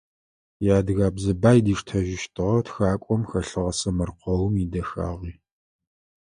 Иадыгабзэ бай диштэжьыщтыгъэ тхакӏом хэлъыгъэ сэмэркъэум идэхагъи.